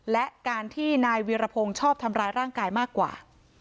และการที่นายวีรพงศ์ชอบทำร้ายร่างกายมากกว่า